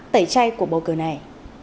tẩy chay của bầu cử này